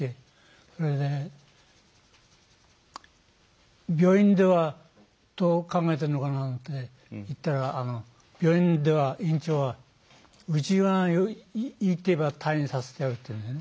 それで病院ではどう考えてんのかなっていったら病院では院長はうちは、いいって言えば退院させてやるっていうんですね。